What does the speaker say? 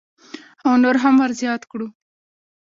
او نور هم ورزیات کړو.